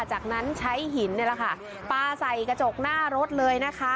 จากนั้นใช้หินนี่แหละค่ะปลาใส่กระจกหน้ารถเลยนะคะ